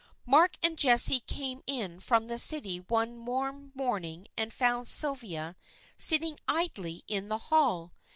Mark and Jessie came in from the city one warm morning and found Sylvia sitting idly in the hall.